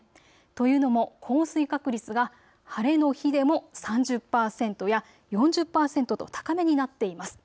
というのも降水確率が晴れの日でも３０％や４０％と高めになっています。